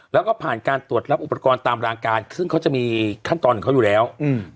แล้วก็ผ่านการตรวจรับอุปกรณ์ตามรางการซึ่งเขาจะมีขั้นตอนของเขาอยู่แล้วอืม